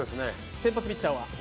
先発ピッチャーは？